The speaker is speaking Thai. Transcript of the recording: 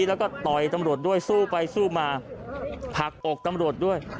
แล้วก็ต่อยตำรวจด้วยสู้ไปสู้มาผลักอกตำรวจด้วย